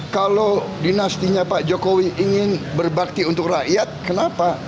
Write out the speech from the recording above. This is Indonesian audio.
kalau dinastinya pak jokowi ingin berbakti untuk rakyat kenapa